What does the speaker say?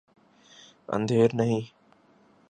اندھیر نہیں۔